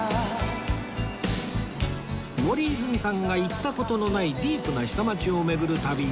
森泉さんが行った事のないディープな下町を巡る旅